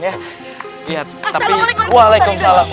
assalamualaikum pak ustadz